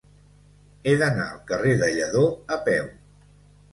He d'anar al carrer de Lledó a peu.